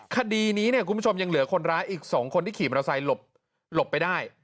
คดีนี้เนี่ยคุณผู้ชมยังเหลือคนร้ายอีก๒คนที่ขี่มอเตอร์ไซค์หลบไปได้